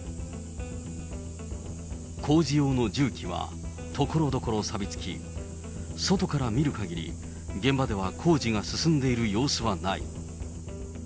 工事用の重機はところどころさびつき、外から見るかぎり、現場では工事が進んでいる様子はない。